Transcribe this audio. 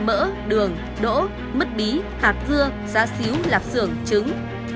mỡ đường đỗ mứt bí hạt dưa giá xíu lạp xưởng trứng